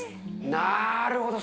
なるほど。